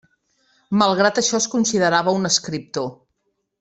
Malgrat això es considerava un escriptor.